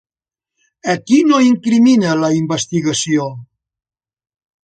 A qui no incrimina la investigació?